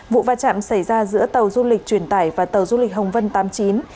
vụ va chạm xảy ra giữa tàu du lịch truyền tải và tàu du lịch hồng vân tám mươi chín